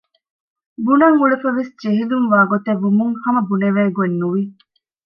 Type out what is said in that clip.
ބުނަން އުޅެފަވެސް ޖެހިލުން ވާގޮތެއް ވުމުން ހަމަ ބުނެވޭގޮތް ނުވި